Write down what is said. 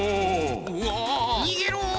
わ！にげろ！